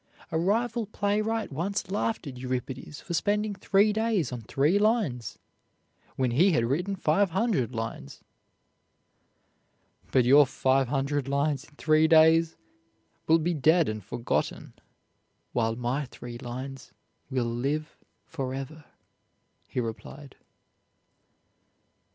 A rival playwright once laughed at Euripides for spending three days on three lines, when he had written five hundred lines. "But your five hundred lines in three days will be dead and forgotten, while my three lines will live forever," he replied.